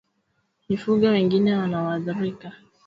Mifugo wengine wanaoathirika